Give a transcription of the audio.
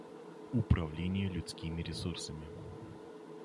Управление людскими ресурсами.